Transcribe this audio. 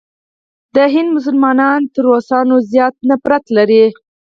د هند مسلمانان تر روسانو زیات نفرت لري.